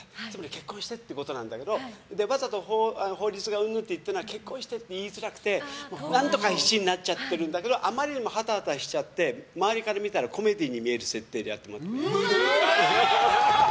結婚してってことなんだけどわざと法律が云々って言ったのは結婚してって言いづらくて何とか必死になっちゃってるんだけどあまりにもはたはたしちゃって周りから見たらコメディーに見える設定でやって。